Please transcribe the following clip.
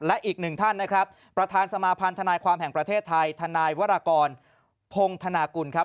และอีกหนึ่งท่านนะครับประธานสมาพันธนายความแห่งประเทศไทยทนายวรกรพงธนากุลครับ